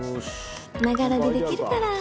「ながらでできるから」。